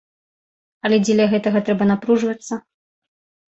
Але дзеля гэтага трэба напружвацца.